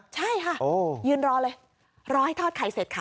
ใช่ค่ะยืนรอเลยรอให้ทอดไข่เสร็จค่ะ